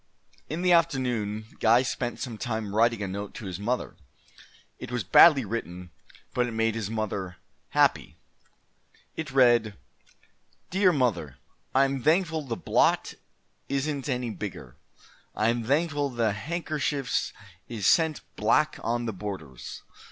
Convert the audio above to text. In the afternoon Guy spent some time writing a note to his mother. It was badly written, but it made his mother happy. It read: DEAR MOTHER: I am Thankful the blot isent any bigger. I am Thankful the hankershefs isent black on the borders.